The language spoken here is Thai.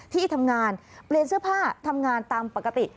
ที่ทำงานเปลี่ยนเสื้อผ้าทำงานตามปกติ